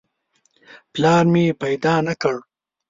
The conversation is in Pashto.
پلار مې پیدا نه کړ.